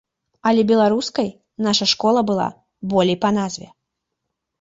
Але беларускай нашая школа была болей па назве.